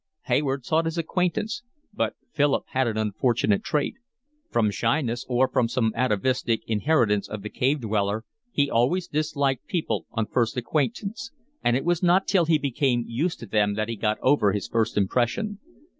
Hayward sought his acquaintance; but Philip had an unfortunate trait: from shyness or from some atavistic inheritance of the cave dweller, he always disliked people on first acquaintance; and it was not till he became used to them that he got over his first impression.